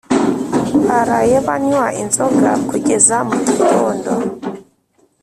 Baraye banywa inzoga kugeza mugitondo